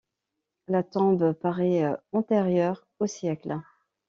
La tombe parait antérieure au siècle.